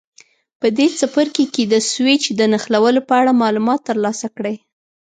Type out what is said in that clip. په دې څپرکي کې د سویچ د نښلولو په اړه معلومات ترلاسه کړئ.